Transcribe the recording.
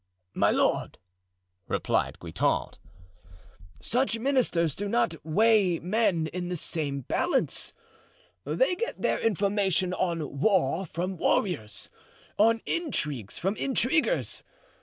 "My lord," replied Guitant, "such ministers do not weigh men in the same balance; they get their information on war from warriors; on intrigues, from intriguers.